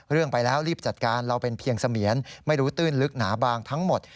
เรื่องไปแล้วรีบจัดการเราเป็นเพียงเสมียนไม่รู้ตื้นลึกหนาบางทั้งหมด